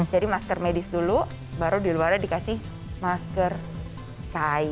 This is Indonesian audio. jadi masker medis dulu baru di luarnya dikasih masker kain